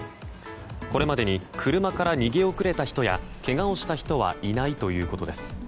これまでに車から逃げ遅れた人やけがをした人はいないということです。